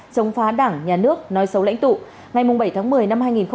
chống phá đảng nhà nước nói xấu lãnh tụ